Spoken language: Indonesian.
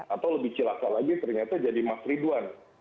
atau lebih celaka lagi ternyata jadi mas ridwan